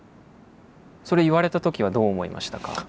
それ言われた時はどう思いましたか？